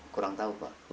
kurang tahu pak